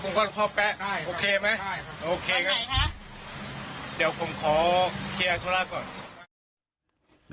ก็ควรเข้าปะใช่ไหมใช่วันไหนคะเดี๋ยวผมขอเคลียร์อัตราก่อน